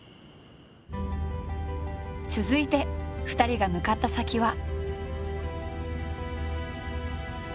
続いて２人が向かった先は。